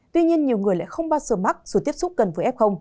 tuy nhiên nhiều người lại không bao giờ mắc dù tiếp xúc gần với f